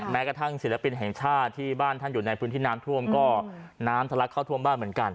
แม้กระทั่งศิลปินแห่งชาติที่บ้านท่านอยู่ในพื้นที่น้ำท่วมก็น้ำทะลักเข้าท่วมบ้านเหมือนกัน